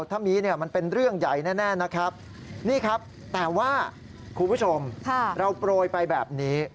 ถ้ามีนี่มันเป็นเรื่องใหญ่แน่นะครับ